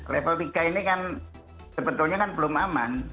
level tiga ini kan sebetulnya kan belum aman